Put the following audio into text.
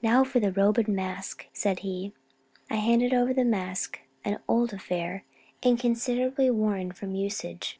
"Now for the robe and mask," said he. I handed over the mask, an old affair and considerably worn from usage.